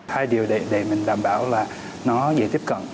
hai điều đấy để mình đảm bảo là nó dễ tiếp cận